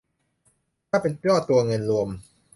ถ้าเป็นยอดตัวเงินรวม